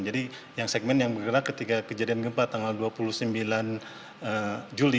jadi yang segmen yang bergerak ketika kejadian gempa tanggal dua puluh sembilan juli